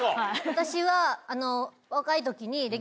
私は。